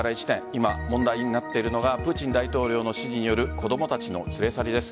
今、問題になっているのがプーチン大統領の指示による子供たちの連れ去りです。